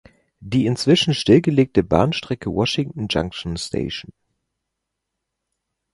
Die inzwischen stillgelegte Bahnstrecke Washington Junction–St.